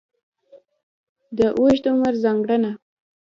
د اوږد عمر ځانګړنه.